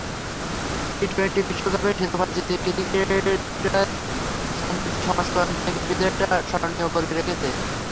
T twenty বিশ্বকাপের শিরোপা জিতে ক্রিকেটের সংক্ষিপ্ত সংস্করণ থেকে বিদায়টা স্মরণীয়ই করে রেখেছেন।